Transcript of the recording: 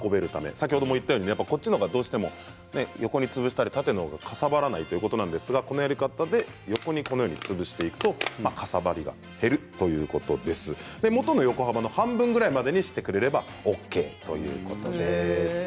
先ほども言ったように横や縦に潰したほうがかさばらないということなんですがこのように横も潰したほうがかさばらないいうことなんですが元の大きさの半分ぐらいにしてくれればＯＫということです。